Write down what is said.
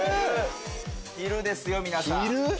昼ですよ皆さん。